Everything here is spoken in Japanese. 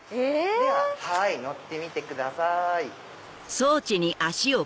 では乗ってみてください。